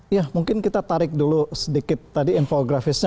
ya mungkin kita tarik dulu sedikit tadi infografisnya